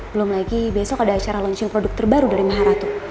belum lagi besok ada acara launching produk terbaru dari maharatu